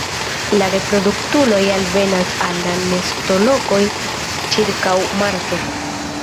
La reproduktuloj alvenas al la nestolokoj ĉirkaŭ marto.